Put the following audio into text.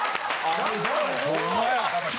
ホンマや。